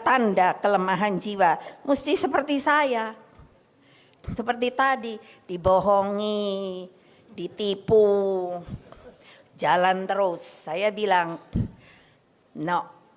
tanda kelemahan jiwa mesti seperti saya seperti tadi dibohongi ditipu jalan terus saya bilang no